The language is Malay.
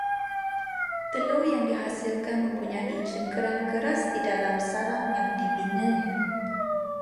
Telur yang dihasilkan mempunyai cangkerang keras di dalam sarang yang dibinanya